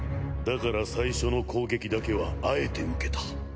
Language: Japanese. だから最初の攻撃だけはあえて受けた。